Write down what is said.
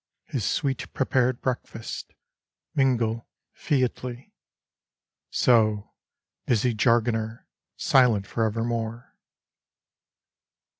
His sweet prepared breakfast, mingle featly ... So, busy jargoner, silent for ever more.